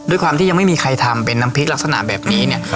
ด้วยความที่ยังไม่มีใครทำเป็นน้ำพริกลักษณะแบบนี้เนี่ย